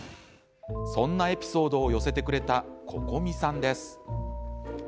そんなエピソードを寄せてくれたここみさんです。